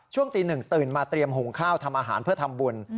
ช่วงตีหนึ่งตื่นมาเตรียมหุงข้าวทำอาหารเพื่อทำบุญ